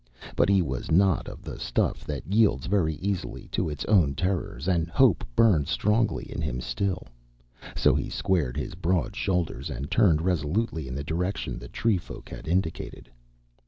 But he was not of the stuff that yields very easily to its own terrors, and hope burned strongly in him still. So he squared his broad shoulders and turned resolutely in the direction the tree folk had indicated.